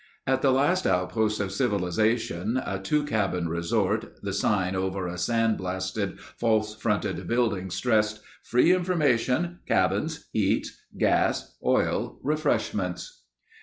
At the last outpost of civilization, a two cabin resort, the sign over a sand blasted, false fronted building stressed: "Free Information. Cabins. Eats. Gas. Oil. Refreshments."